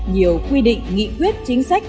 nhiều quy định nghị quyết chính sách